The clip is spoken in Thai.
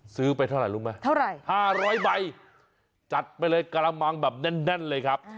ซื้อไปเท่าไหร่รู้ไหมเท่าไหร่๕๐๐ใบจัดไปเลยกระมังแบบแน่นเลยครับ